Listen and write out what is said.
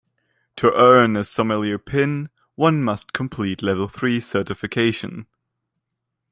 To earn a sommelier pin, one must complete level three certification.